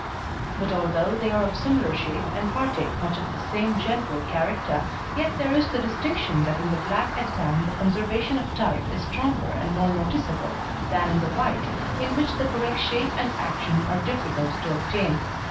But although they are of similar shape and partake much of the same general character, yet there is the distinction that in the black and tan the conservation of type is stronger and more noticeable than in the white, in which the correct shape and action are difficult to obtain.